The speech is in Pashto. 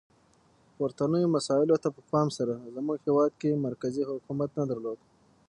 پورتنیو مسایلو ته په پام سره زموږ هیواد کې مرکزي حکومت نه درلود.